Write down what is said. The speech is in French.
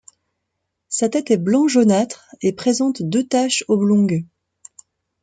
Sa tête est blanc jaunâtre et présente deux taches oblongues.